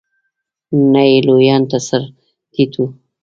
نه یې لویانو ته سر ټيټ و.